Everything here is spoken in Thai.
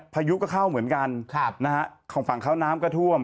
พายุก็เข้าเหมือนกันของฝั่งเขาน้ำก็ท่วม